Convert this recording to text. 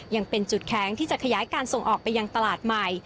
ยังเป็นจุดแข็งที่จะขยายการส่งออกไปยังตลาดใหม่